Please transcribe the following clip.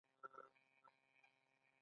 د پنبې د بوټو ترمنځ فاصله څومره وي؟